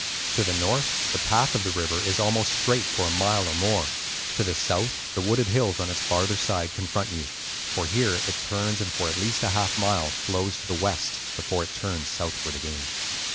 To the north the path of the river is almost straight for a mile or more; to the south the wooded hills on its farther side confront you, for here it turns and for at least a half mile flows to the west, before it turns southward again.